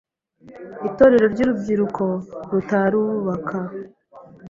Itorero ry’urubyiruko rutarubaka;